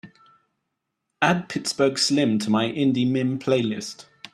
Add pittsburgh slim to my indie mim playlist.